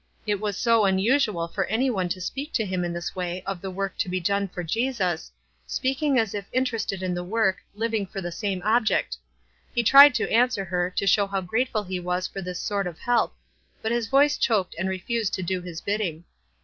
It was so unusual for any one to speak to him in this way of the work to be done for Jesus — speak ing as if interested in the work, living for the same object. He tried to answer her, to show how grateful he was for this sort of help, but his voice choked and refused to do his bidding.